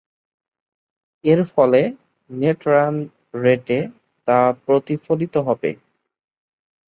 এরফলে net run রেটে তা প্রতিফলিত হবে।